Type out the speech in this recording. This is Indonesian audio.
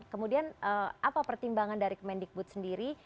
kemudian apa pertimbangan dari kemendikbud sendiri